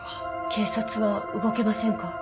警察は動けませんか？